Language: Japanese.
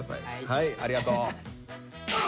はいありがとう。